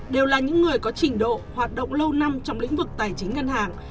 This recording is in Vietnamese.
đều là những người có trình độ hoạt động lâu năm trong lĩnh vực tài chính ngân hàng